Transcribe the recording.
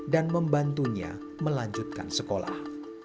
dan membantunya melanjutkan sekolah